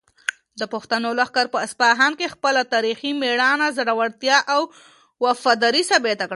د پښتنو لښکر په اصفهان کې خپله تاریخي مېړانه، زړورتیا او وفاداري ثابته کړه.